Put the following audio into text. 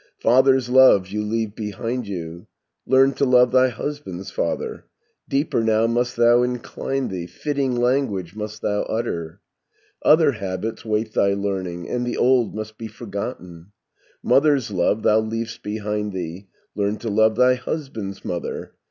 Father's love you leave behind you; Learn to love thy husband's father; Deeper now must thou incline thee, Fitting language must thou utter. 60 "Other habits wait thy learning, And the old must be forgotten. Mother's love thou leav'st behind thee; Learn to love thy husband's mother.